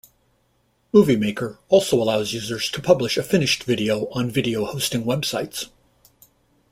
Movie Maker also allows users to publish a finished video on video hosting websites.